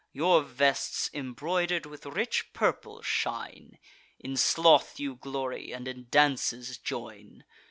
Your vests embroider'd with rich purple shine; In sloth you glory, and in dances join.